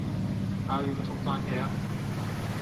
ئاوی بوتڵتان هەیە؟